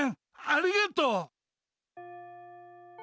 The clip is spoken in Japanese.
ありがとう！